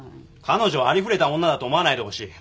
彼女をありふれた女だと思わないでほしい。